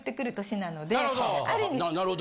なるほど。